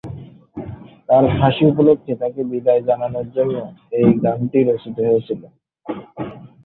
তার ফাঁসি উপলক্ষে তাকে বিদায় জানানোর জন্য এই গানটি রচিত হয়েছিল।